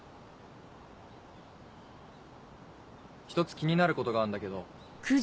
一つ気になることがあんだけど。